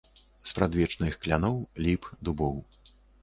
Спрадвечных кляноў, ліп, дубоў.